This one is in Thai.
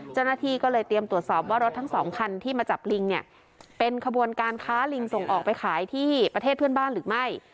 เจ้าหน้าที่ก็เลยเตรียมตรวจสอบว่ารถทั้งสองคันที่มาจับลิงเนี่ยเป็นขบวนการค้าลิงส่งออกไปขายที่ประเทศเพื่อนบ้านหรือไม่